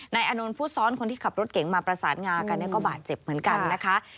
อานนท์ผู้ซ้อนคนที่ขับรถเก๋งมาประสานงากันก็บาดเจ็บเหมือนกันนะคะ